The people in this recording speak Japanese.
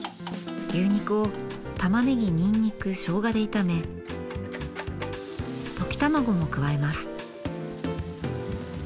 牛肉をたまねぎニンニクしょうがで炒め溶き卵も加えます。